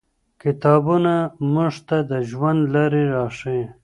کتابونه موږ ته د ژوند لاري راښيي.